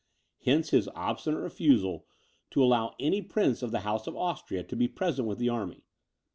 Hence his obstinate refusal to allow any prince of the house of Austria to be present with the army.